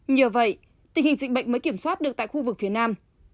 nhờ vậy tình hình dịch bệnh mới kiểm soát được tại khu vực phía nam